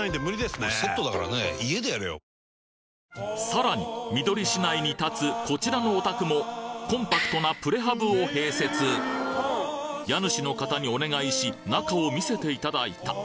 さらにみどり市内に建つこちらのお宅もコンパクトなプレハブを併設家主の方にお願いし中を見せていただいた。